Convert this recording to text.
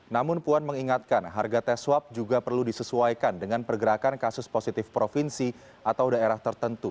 namun puan mengingatkan harga tes swab juga perlu disesuaikan dengan pergerakan kasus positif provinsi atau daerah tertentu